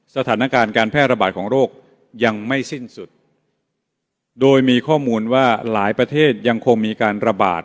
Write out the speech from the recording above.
สถานการณ์การแพร่ระบาดของโรคยังไม่สิ้นสุดโดยมีข้อมูลว่าหลายประเทศยังคงมีการระบาด